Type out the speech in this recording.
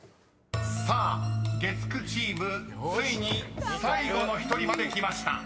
［さあ月９チームついに最後の１人まできました］